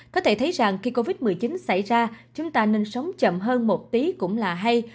có thể thấy rằng khi covid một mươi chín xảy ra chúng ta nên sống chậm hơn một tí cũng là hay